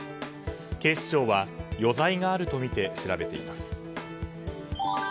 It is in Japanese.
警視庁は余罪があるとみて調べています。